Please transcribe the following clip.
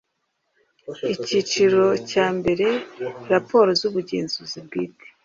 Icyiciro cyambere Raporo z ubugenzuzi bwite